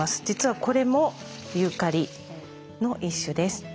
実はこれもユーカリの一種です。